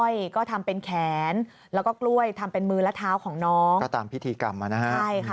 อ้อยก็ทำเป็นแขนแล้วก็กล้วยทำเป็นมือและเท้าของน้อง